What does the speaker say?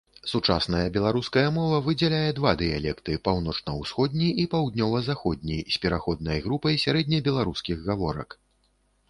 Сучасная беларуская мова выдзяляе два дыялекты, паўночна-усходні і паўднёва-заходні, з пераходнай групай сярэднебеларускіх гаворак.